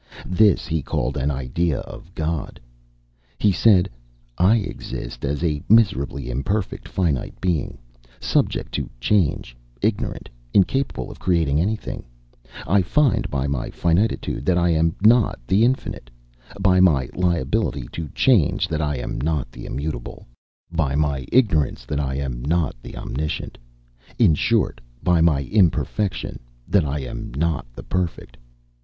This he called an idea of God: he said, "I exist as a miserably imperfect finite being, subject to change ignorant, incapable of creating anything I find by my finitude that I am not the infinite; by my liability to change that I am not the immutable; by my ignorance that I am not the omniscient: in short, by my imperfection, that I am not the perfect.